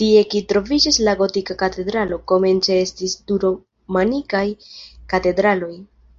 Tie kie troviĝas la gotika katedralo, komence estis du romanikaj katedraloj.